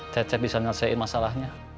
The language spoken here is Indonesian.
cet cet bisa nyelesain masalahnya